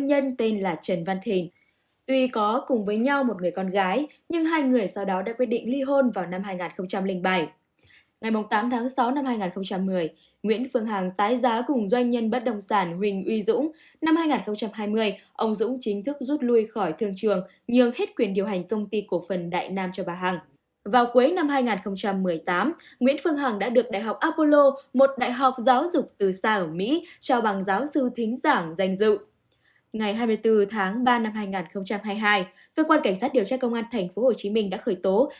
bắt tạm giam bà nguyễn phương hằng về tội lợi dụng các quyền tự do